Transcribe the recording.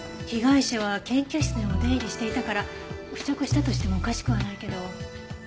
被害者は研究室にも出入りしていたから付着したとしてもおかしくはないけど。